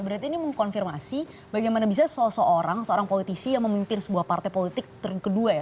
berarti ini mengkonfirmasi bagaimana bisa seseorang seorang politisi yang memimpin sebuah partai politik kedua ya